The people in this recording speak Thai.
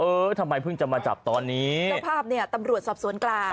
ทำไมเพิ่งจะมาจับตอนนี้เจ้าภาพเนี่ยตำรวจสอบสวนกลาง